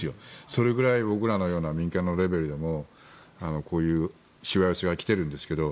それぐらい僕のような民間のレベルでもこういうしわ寄せが来ているんですけど。